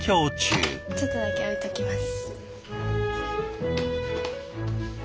ちょっとだけ置いときます。